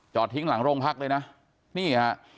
จอดทิ้งหลังโล่งพลักษณ์เลยนะนี่ฮะ